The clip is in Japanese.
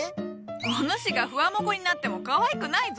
お主がふわもこになってもかわいくないぞ。